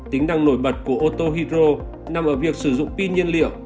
tính năng nổi bật của ô tô hydro nằm ở việc sử dụng pin nhiên liệu